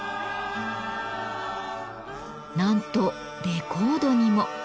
なんとレコードにも。